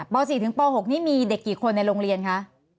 ป๔ถึงป๖นี่มีเด็กกี่คนในโรงเรียนคะ